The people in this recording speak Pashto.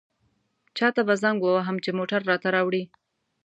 چاته به زنګ ووهم چې موټر راته راوړي.